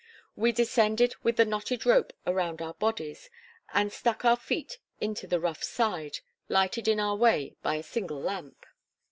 We descended with the knotted rope around our bodies, and stuck our feet into the rough side, lighted in our way by a single lamp.